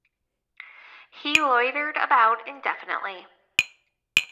He loitered about indefinitely.